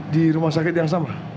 di rumah sakit yang sama